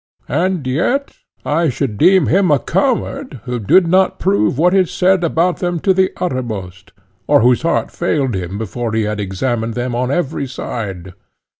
And yet I should deem him a coward who did not prove what is said about them to the uttermost, or whose heart failed him before he had examined them on every side.